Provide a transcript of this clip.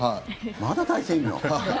まだ大勢いるの？